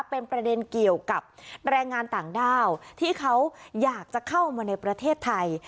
เป็นประเด็นเกี่ยวกับแรงงานต่างด้าวที่เขาอยากจะเข้ามาในประเทศไทย